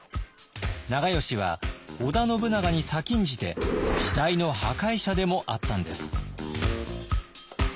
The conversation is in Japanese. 長慶は織田信長に先んじて時代の破壊者でもあったんです。